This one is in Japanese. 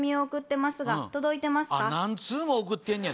何通も送ってんねや！